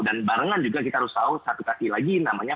dan barengan juga kita harus tahu satu kaki lagi namanya